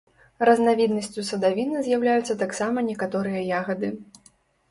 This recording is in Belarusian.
Разнавіднасцю садавіны з'яўляюцца таксама некаторыя ягады.